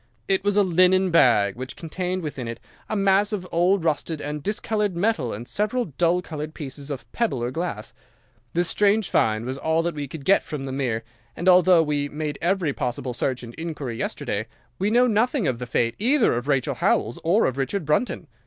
It was a linen bag which contained within it a mass of old rusted and discoloured metal and several dull coloured pieces of pebble or glass. This strange find was all that we could get from the mere, and, although we made every possible search and inquiry yesterday, we know nothing of the fate either of Rachel Howells or of Richard Brunton.